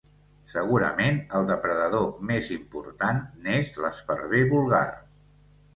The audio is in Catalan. Segurament el depredador més important n'és l'esparver vulgar.